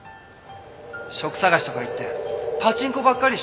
職探しとか言ってパチンコばっかりしてたよ。